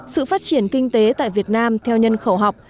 sự phát triển kinh tế tại việt nam theo nhân khẩu học